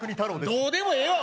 どうでもええわ！